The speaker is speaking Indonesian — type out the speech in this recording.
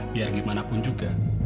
biar gimana pun juga